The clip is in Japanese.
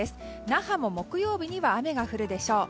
那覇も木曜日には雨が降るでしょう。